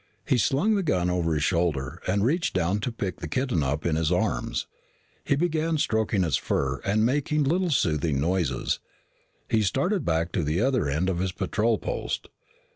He slung the gun over his shoulder and reached down to pick the kitten up in his arms. He began stroking its fur and making little soothing noises. He started back to the other end of his patrol post.